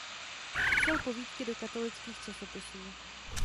Psal povídky do katolických časopisů.